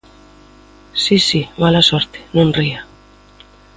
Si si, mala sorte, non ría.